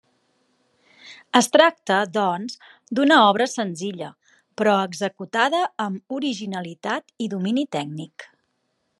Es tracta, doncs, d'una obra senzilla, però executada amb originalitat i domini tècnic.